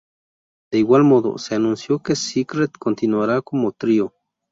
De igual modo, se anunció que Secret continuaría como trío.